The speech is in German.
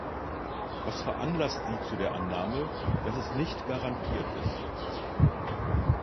Was veranlasst Sie zu der Annahme, dass es nicht garantiert ist?